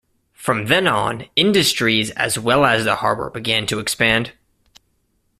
From then on, industries as well as the harbour began to expand.